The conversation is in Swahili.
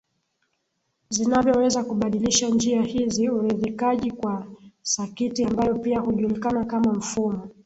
zinavyoweza kubadilisha njia hizi Uridhikaji wa sakitiambayo pia hujulikana kama mfumo